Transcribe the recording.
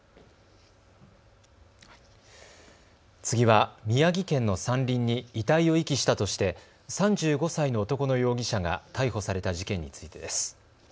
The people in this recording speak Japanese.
次は宮城県の山林に遺体を遺棄したとして３５歳の男の容疑者が逮捕された事件についてです。